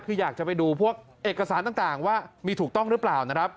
คืออยากจะไปดูพวกเอกสารต่างว่ามีถูกต้องหรือเปล่านะครับ